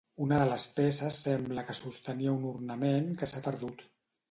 Una de les peces sembla que sostenia un ornament que s'ha perdut.